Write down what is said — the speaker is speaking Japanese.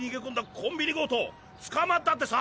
コンビニ強盗つかまったってさ。